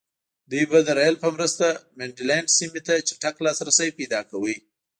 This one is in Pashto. دوی به د رېل په مرسته منډلینډ سیمې ته چټک لاسرسی پیدا کاوه.